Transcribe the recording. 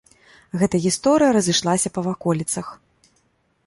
Гэтая гісторыя разышлася па ваколіцах.